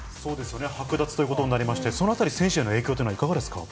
剥奪ということになりまして、そのあたり、選手への影響というのはいかがですか？